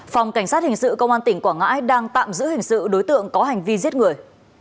phòng cảnh sát hình sự công an tỉnh quảng ngãi đang tạm giữ hình sự đối tượng có hành vi giết người